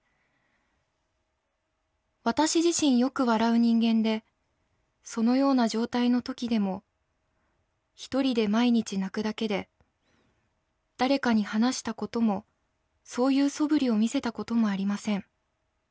私自身よく笑う人間でそのような状態の時でも一人で毎日泣くだけで誰かに話したこともそういうそぶりを見せたこともありません。